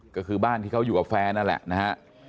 ก็คือบ้านที่เขาอยู่กับแฟนนั่นแหละนะฮะ